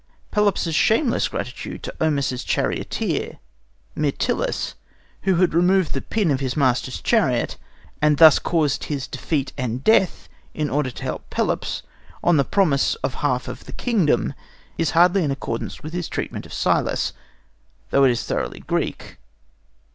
Pelops' shameless ingratitude to OEnomaus's charioteer, Myrtilus, who had removed the pin of his master's chariot, and thus caused his defeat and death in order to help Pelops, on the promise of the half of the kingdom, is hardly in accordance with his treatment of Cillas, though it is thoroughly Greek.